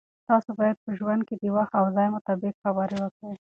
تاسو باید په ژوند کې د وخت او ځای مطابق خبرې وکړئ.